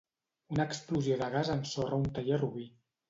Una explosió de gas ensorra un taller a Rubí.